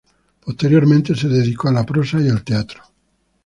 Posteriormente se dedicó a la prosa y al teatro.